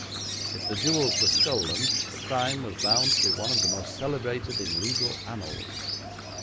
If the jewels were stolen the crime was bound to be one of the most celebrated in legal annals.